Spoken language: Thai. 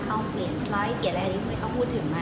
ต้องเปลี่ยนไฟล์หรืออะไรก็คือเพื่อนเขาพูดถึงมัน